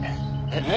え？